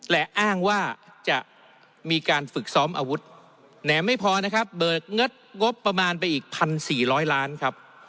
และอ้างว่าจะมีการฝึกซ้อมอาวุธแหนมไม่พอนะครับเบิกเงินงบประมาณไปอีก๑๔๐๐ล้านครับ